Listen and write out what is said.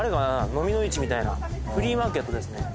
のみの市みたいなフリーマーケットですね